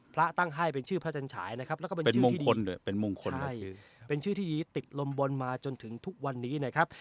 พระตั้งให้เป็นชื่อพระเจนฉายนะครับเป็นชื่อที่ติดลมบลมาจนถึงทุกวันนี้นะครับ